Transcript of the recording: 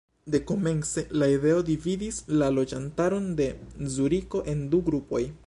Dekomence la ideo dividis la loĝantaron de Zuriko en du grupoj.